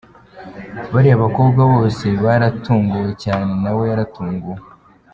Bariya bakobwa bose baratunguwe cyane, na we yaratunguwe.